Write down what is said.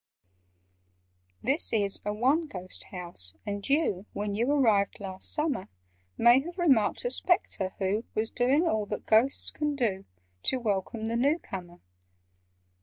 "This is a 'one ghost' house, and you When you arrived last summer, May have remarked a Spectre who Was doing all that Ghosts can do To welcome the new comer.